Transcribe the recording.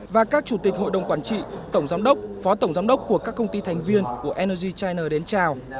và các chủ tịch hội đồng quản trị tổng giám đốc phó tổng giám đốc của các công ty thành viên của energy china đến chào